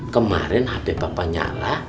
kemarin hape papa nyala